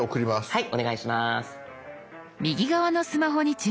はい。